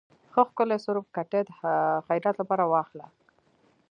ښه ښکلے څورب کټے د خيرات لپاره واخله۔